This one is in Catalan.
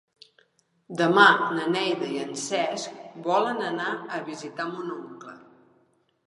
Demà na Neida i en Cesc volen anar a visitar mon oncle.